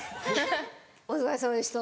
お疲れさまでした。